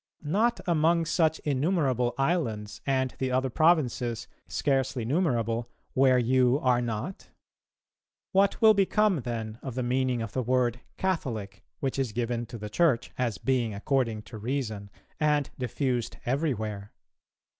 Not among such innumerable islands and the other provinces, scarcely numerable, where you are not? What will become then of the meaning of the word Catholic, which is given to the Church, as being according to reason[263:1] and diffused every where?